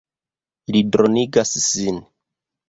Li dronigas sin.